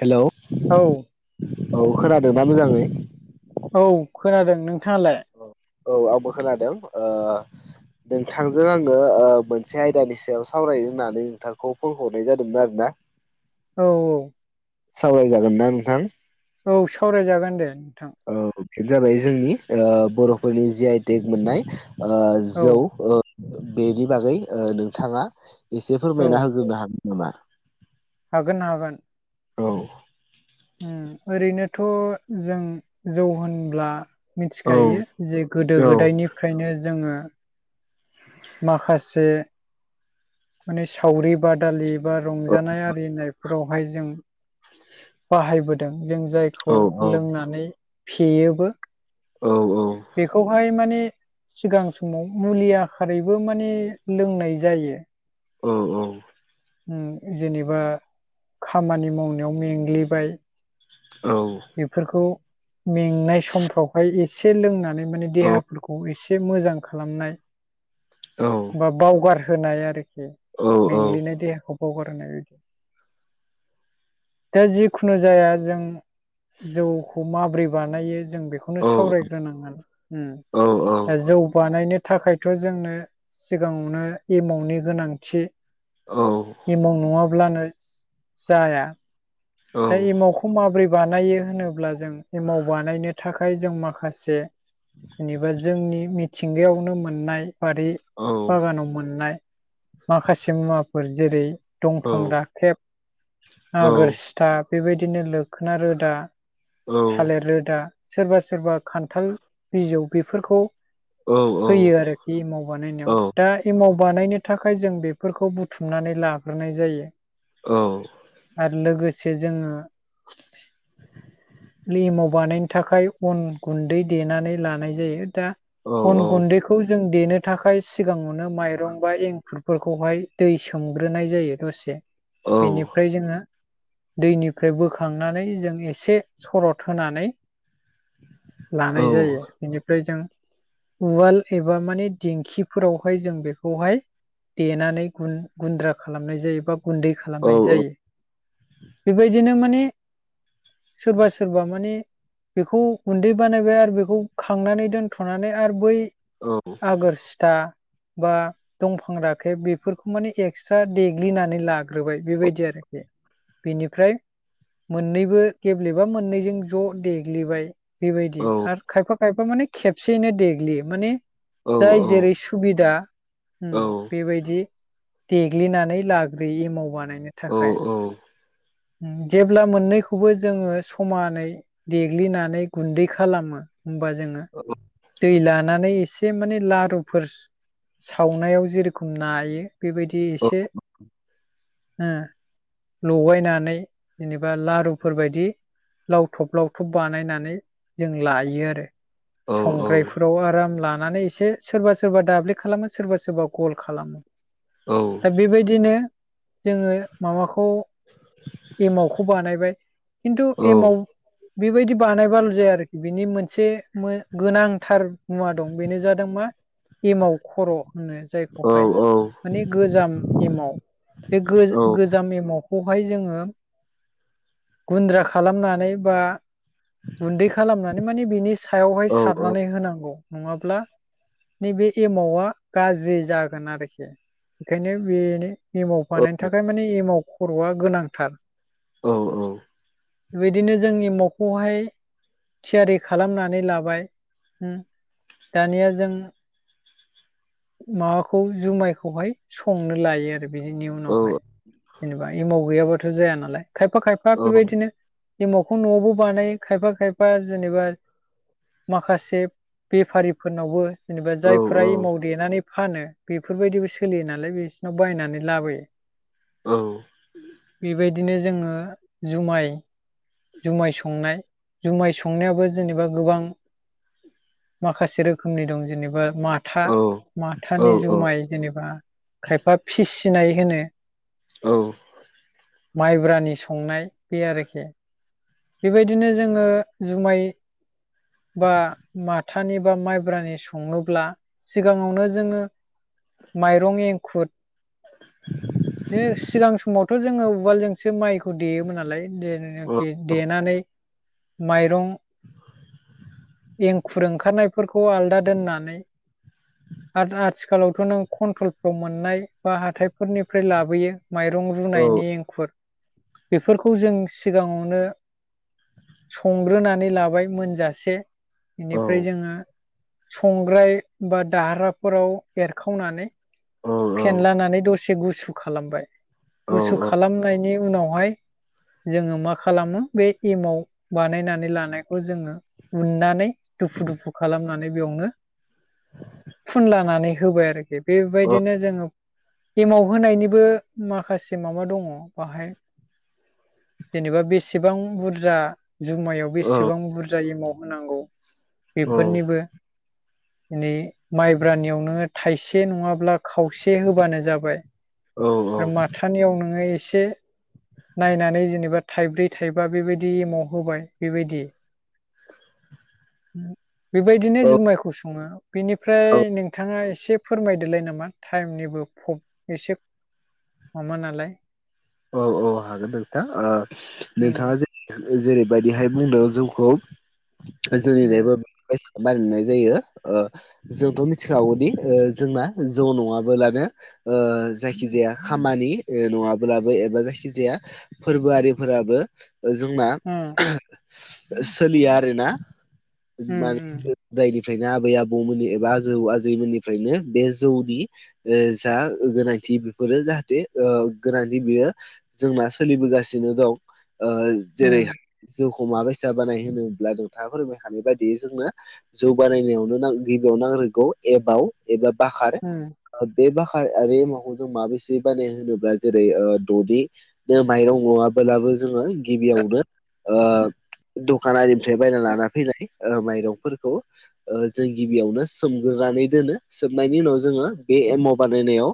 Hello औ औ खोनादों ना मोजाङै? औ खोनादों नोंथाङालाय? औ औ आंबो खोनादों ओ नोंथांजों आङो ओ मोनसे आयदानि सायाव सावरायनो होननानै नोंथांखौ फन हरनाय जादोंमोन आरो ना। औ औ सावराय जागोन ना नोंथां? औ सावराय जागोन दे नोंथां। ओ बेनो जाबाय जोंनि ओ बर'फोरनि जि आइटेक मोननाय ओ औ जौ ओ बेनि बागै नोंथाङा एसे औ फोरमायना होग्रोनो हागोन नामा? हागोन हागोन। औ ओरैनोथ' जों जौ होनब्ला औ मिथिखायो जे गोदो औ गोदायनिफ्रायनो जोङो माखासे माने सावरि बादालि बा रंजानाय आरि होनायफोरावहाय जों [inaudible] बाहायबोदों जों जायखौ औ लोंनानै फेयोबो। औ औ बेखौहाय माने सिगां समाव मुलि आखारैबो माने लोंनाय जायो। औ औ उम जेनेबा खामानि मावनायाव मेंग्लिबाय। औ बेफोरखौ मेंनाय समफ्रावहाय एसे लोंनानै माने देहाफोरखौ एसे मोजां खालामनाय बा बावगार होनाय आरोखि मेंग्लिनाय देहाखौ बावगार होनाय बिदि दा जिखुनु जाया जों जौखौ माबोरै बानायो जों बेखौ बेखौनो सावरायग्रोनांगोन औ औ दा औ जौ बानायनो थाखायथ' जोंनो सिगाङावनो एमावनि गोनांथि औ एमाव नङाब्लानो जाया। औ दा एमावखौ माबोरै बानायो होनोब्ला जों एमाव बानायनो थाखाय जों माखासे जेनेबा जोंनि मिथिंगायावनो मोननाय बारि बागानाव मोननाय माखासे मुवाफोर जेरै दंफां औ राखेब आगोर सि था बेबायदिनो लोखना रोदा, थालेर रोदा सोरबा सोरबा खान्थाल बिजौ बेफोरखौ होयो आरो। बे एमाव बानायनायाव। दा एमाव बानायनो थाखाय जों बेफोरखौ बुथुमनानै लाग्रोनाय जायो। औ आरो लोगोसे जोङो लि एमाव बानायनो थाखाय अन गुन्दै देनानै लानाय जायो दा औ अन गुन्दै खौ जों देनो थाखाय सिगाङावनो माइरं बा एंखुरफोरखौहाय दै सोमग्रोनाय जायो‌। दसे बेनिफ्राय जोङो दैनिफ्राय बोखांनानै जों एसे सरद होनानै लानाय जायो इनिफ्राय जों उवाल एबा माने दिंखिफोरावहाय जों बेखौहाय देनानै गुन-गुन्द्रा खालामनाय जायो बा गुन्दै खालामनाय जायो। बेबायदिनो माने सोरबा सोरबा माने बेखौ गुन्दै बानायबाय आरो बेखौ खांनानै दोनथ'नानै आरो बै आगोरसिथा बा दंफां राखेब बेफोरखौ माने एक्सट्रा देग्लिनानै लाग्रोबाय बेबायदि आरोखि। बेनिफ्राय मोननैबो गेब्लेबा मोननैजों ज' देग्लिबाय। बेबायदि आरो खायफा खायफा माने खेबसेयैनो देग्लियो माने जाय जेरै सुबिदा उम बेबायदि देग्लिनानै लाग्रोयो एमाव बानायनो औ थाखाय औ जेब्ला मोननैखौबो जोङो समानै देग्लिनानै गुन्दै खालामो ओमबा जोङो औ दै लानानै एसे माने लारुफोर सावनायाव जेरखम नायो बेबायदि एसे उम लगायनानै जेनेबा लारुफोरबायदि लावथब लावथब बानायनानै जों लायो आरो। संग्रायफोराव आराम लानानै एसे सोरबा सोरबा दाब्ले खालामो सोरबा सोरबा गल खालामो। औ दा बेबायदिनो जोङो माबाखौ एमावखौ बानायबाय खिन्थु एमाव बेबायदि बानायबाल' जाया आरोखि बेनि मोनसे मो गोनांथार मुवा दं बेनो जादों मा एमाव खर'। बुङो जायखौहाय माने गोजाम एमाव बे गोजाम एमावखौहाय जोङो गुन्द्रा खालामनानै बा गुन्दै खालामनानै माने बिनि सायावहाय सारनानै होनांगौ नङाब्ला नैबे एमावआ गाज्रि जागोन आरोखि ओंखायनो बेनो एमाव बानायनो थाखाय माने एमाव खर'आ गोनांथार। औ औ बे बिदिनो जोंनि एमावखौहाय थियारि खालामनानै लाबाय। उम दानिया जों माबाखौ जुमायखौहाय संनो लायो आरो बिदिनि उनावहाय जेनेबा एमाव गैयाबाथ' जाया नालाय खायफा खायफा बेबायदिनो बेमाखौ न'आवबो बानायो खायफा खायफा जेनेबा माखासे बेफारिफोरनावबो जेनेबा जायफोरा एमाव देनानै फानो बेफोरबायदिबो सोलियो नालाय बिसिनाव बायनानै लाबोयो‌। औ बेबायदिनो जोङो जुमाय जुमाय संनाय जुमाय संनायाबो जेनेबा गोबां माखासे रोखोमनि दं जेनेबा मा माथा माथानि जुमाय जेनेबा खायफा फिसिनाय होनो। औ माइब्रानि संनाय बे आरोखि। बेबायदिनो जोङो जुमाय बा माथानि बा माइब्रानि संनोब्ला सिगाङावनो जोङो माइरं एंखुर बे सिगां समावथ' जोङो उवालजोंसो माइ खौ देयोमोन नालाय जेनाखि देनानै माइरं एंखुर ओंखारनायफोरखौ आलदा दोननानै आरो आथिखालावथ' नों कन्ट्रलफ्राव मोननाय बा हााइफोरनिफ्राय लाबोयो। माइरं रुनायनि एंखुर बेफोरखौ जों सिगाङावनो संग्रोनानै लाबाय मोनजासे बेनिफ्राय जोङो संग्राय बा दाहार्राफोराव एरखावनानै फेनलानानै दसे गुसु खालामबाय। गुसु खालामनायनि उनावहाय जोङो मा खालामो? बे एमाव बानायनानै लानायखौ जोङो उन्नानै दुफु दुफु खालामो। बेयावनो फुनलानानै होबाय आरोखि बेबायदिनो जोङो एमाव होनायनिबो माखासे माबा दङ बाहाय। जेनेबा बेसेबां बुरजा जुमायाव बेसेबां बुरजा एमाव होनांगौ। बेफोरनिबो नै माइब्रानियावनो होन थाइसे नङाब्ला खावसे होबानो जाबाय आरो माथा ानियाव नोङो एसे नायनानै जेनेबा थाइब्रै थाइबा बेबायदि एमाव होबाय बेबायदि। बेबायदिनो औ जुमायखौ सङो बेनिफ्राय औ नोंथाङा एसे फोरमायदोलाय नामा टाइमनिबो प्र एसे माबा नालाय। औ औ हागोन नोंथाङ ओ नोंथाङा उम जे जेरैबायदिहाय बुंदों उम जोंनिजायबो बानायनाय जायो जोंथ' मिथिखागौदि जोंना जौ नङाब लानो जायखिजाया खामानि नङाब्ला बो एबा जायखिजाया फोरबोआिफोराबो जोंना उम सोलिया आरोना मानो जायनिफ्रायनो आबै आबौमोननि एबा आजौ आजैमोननिफ्रायनो बे जौनि जा गोनांथि बेफोरो जाहाथे गोनांथि बियो जोंना सोलिबोगासिनो दं उम जेरैहाय जिउखौ माबैसा बानाय होनोब्ला नोंथाङा फोरमाय खानाय बायदियै जोंनो जौ बानायनायावनो गिबियाव नांगौ एमाव एबा बाखार उम उम बे बाखारिमावखौ जों माबेसे बानाय होनोब्ला जेरै ददि माइरं न ङालाबो जोङो गिबियावनो दखान आरिनिफ्राय बायना लाना फैनाय ओ माइरंफोरखौ जों गिबियावनो सोमग्रोनानै दोनो सोमनायनि उनाव जोङो बे एमाव बानायनायाव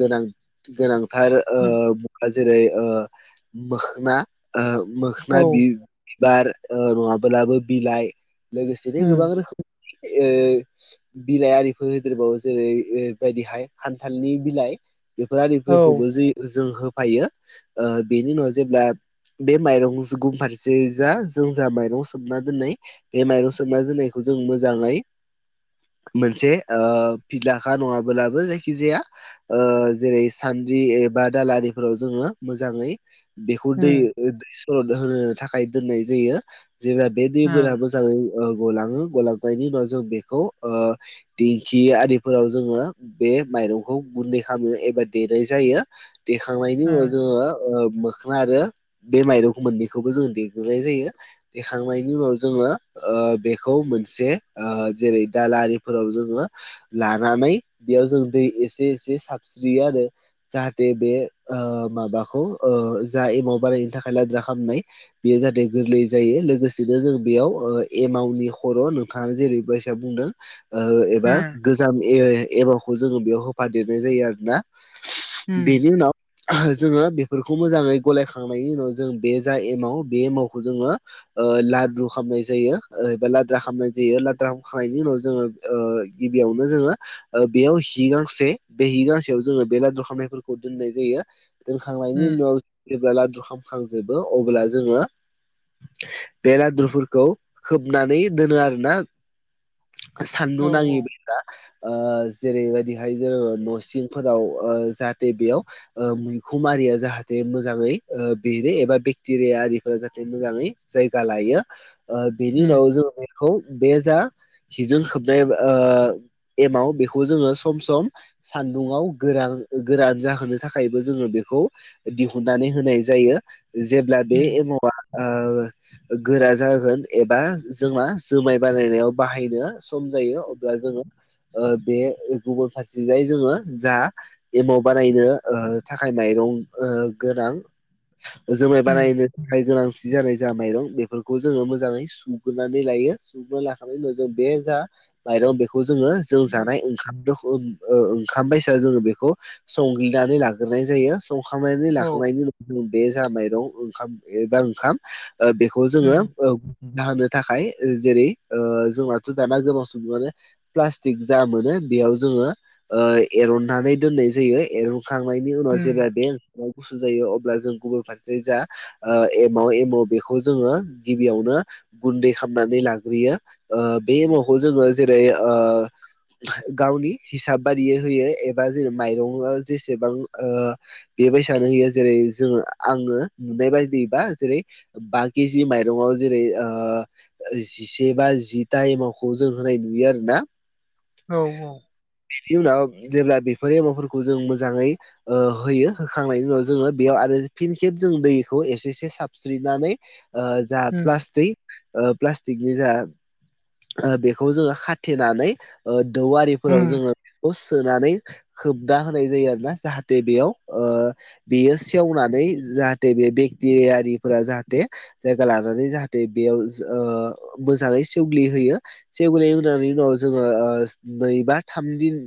गोनां गोनां थार उम ओ-ओ मोखोन जेरै मोखोना ओ औ मोखोना बि बार नङाब्लाबो बिलाइ लोगोसेनो गोबां उम रोखोमनि ओ बिलाइ आरिफोर होदेरबावो जेरै बदिहाय खान्थालनि बिलाइ बेफोर आरि औ फोरखौबो जे जों होफायो बेनि उनाव जेब्ला बे माइरं गुन फारसे जा जों जा माइरं सोमना दोनै बे माइरं सोमना दोननायखौ जों मोजाङै मोनसे ओ फिलाखा नङाब्लाबो जायखिजाया ओ जेरै सान्द्रि एबा दााला आरिफोराव जोङो मोजाङै बेखौ दै उम दै [unintelligible] सर'द होनो थाखाय दोननाय जायो जेब्ला बे ओ दैमा मोजाङै ओ गलाङो गलांनायनि उनाव जों बेखौ ओ दिंखि आदिफोराव जोङो बे माइरंखौ गुन्दै खालामो एबा देनाय जायो देखांनायनि उनाव ओ जोङो दखा आरो बे माइरंखौ मोननैखौबो जोङो देगलिनाय जायो देखांनायनि उनाव जोङो ओ बेखौ मोनसे ओ जेरै दाला आरिफोराव जोङो लानानै बेयाव जों दै एसे एसे साबस्रियो आरो जाहाथे बे ओ माबाखौ ओ जा एमाव बारायनो थाखाय लाद्रा खालामनाय बेयो जाहाथे गोरलै जायो लोगोसेनो जों बेयाव एमावनि खर' थाङा जेरै बायसा बुंदों ओ एबा उम गोजाम एमावखौ जोङो बेयाव होफादेरनाय जायो आरो ना बिनि उनाव जोङो बेफोरखौ मोजाङै गलायखांनायनि उनाव जों बे जा एमाव बे एमावखौ जोङो लादु खालामनाय जायो एबा लाद्रा खामनाय जायो लाद्रा खामखांनायनि उनाव जोङो ओ गिबियावनो जोङो बेयाव हि गांसे बे हि गांसे जोङो बेला दरखांनायफोरखौ दोननाय जायो दोनखांनायनि उम उनाव जेब्ला लादु खामखां जोबो अब्ला जोङो बे लादुफोरखौ खोबनानै दोनो आरोना औ सान्दुं नाङि जाबोगा [unintelligible] ना जेरैबायदिहाय जोङो न'सिं आव जाहाथे बेयाव मैखोम आरिया जाहाथे मोजाङै बेरो एबा बेक्टेरिया आरिफोरा जाहाथे मोजाङै जायगा लायो बेनि उनाव उम जोंङ बेखौ बे जा हिजों खोबनाय एमाव बेखौ जोङो सम सम सान दुङाव गोरान गोरान जाहोनो थाखायबो जोङो बेखौ दिहुननानै होनाय जायो जेब्ला बे उम एमावा ओ गोरा जागोन एबा जोंना जुमाय बानायनायाव बाहायनो सम जायो अब्ला जोङो ओ बे गुबुन फारसेथिंजाय जोङो जा एमाव बानायनो ओ थाखाय माइरं ओ गोनां जुमाय उम बानायनो थाखाय गोनांथि जानाय जा माइरं बेफोरखौ जोङो मोजाङै सुग्रोनानै लायो। सुग्रोना लाखांनाय उनाव जों बे जा माइरं बेखौ जोङो जों जानाय ओंखाम रखम ओ ओंखाम बायसा जोङो बेखौ संहो नानै लाग्रोनाय जायो संखांनानै औ लाखांनायनि उनाव बे जा माइरं ओंखाम एबा ओंखाम बेखौ जोङो दाहोनो थाखाय जेरै ओ जोंनाथ' दाना गोबां सुबुङानो प्लास्टिक जा मोनो बेयाव जोङो ओ एरननानै दोननाय जायो एरनखांनायनि उनाव जेब्ला बे ओंखामा गुसु जायो अब्ला जों गुबुन फारसे जा ओ एमाव एमाव बेखौ जोङो गिबियावनो गुन्दै खालामामनानै लाग्रोयो ओ बे एमावखौ जोङो जेरै ओ गावनि हिसाब बादियै होयो एबा जेन माइरङा जेसेबां ओ बेबायसानो होयो जेरै जोङो आङो नुनाय बायदिबा जेरै बाखि जि माइरङाव ओ जिसे बा जि टाइमावखौ जों होनाय नुयो आरो ना। औ औ बिनि उनाव जेब्ला बेफोर एमाफोरखौ जों मोजाङै ओ होयो होखांनायनि उनाव जोङो बेयाव आरो फिन खेब जों दैखौ एसे एसे साबस्रिनानै ओ जा उम प्लास्टिक ओ प्लास्टिकनि जा बेखौ जोङो खाथेनानै ओ दौवारि फोराव उम जोङो बेखौ सोनानै होबनाा होनाय जायो आरो ना जाहाथे बेयाव ओ बेयो सेवनानै जाहाथे बे बेक्टेरियारिफोरा जाहाथे जायगा लानानै जाहाथे बेयाव ओ मोजाङै सेवग्लिहोयो। सेवगल एनि उनाव जोङो ओ नै बा थाम दिन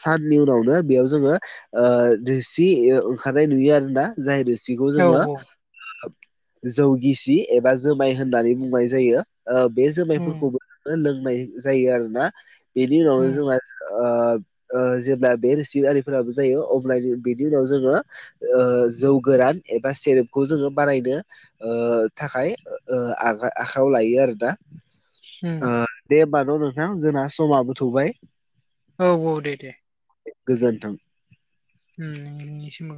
साननि उनावनो बेयाव जोङो ओ रोसि ओंखारनाय नुयो आरोना। जा रोसिखौ औ औ जोङो जौ गिसि एबा जोमाय होननानै बुंनाय जायो बे उम जोमायफोरखौबो लोंनाय जायो आरोना बेनि उनावनो उम जोंहा ओ ओ जेब्ला बे रोसिआरिफोराबो जायो अब्ला बेनि उनाव जोङो ओ जौ गोरान एबा सेरेपखौ जोङो बानायनो ओ थाखाय ओ आ आखायाव लायो आरो दा उम ओ दे होमबा न' नोंथां जोंना समाबो थौबाय औ औ दे दे गोजोन्थों उम नोंनिसिमबो